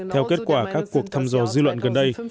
theo kết quả các cuộc thăm dò dư luận gần đây